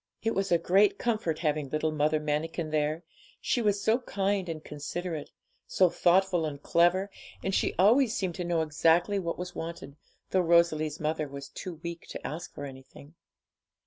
It was a great comfort having little Mother Manikin there, she was so kind and considerate, so thoughtful and clever, and she always seemed to know exactly what was wanted, though Rosalie's mother was too weak to ask for anything.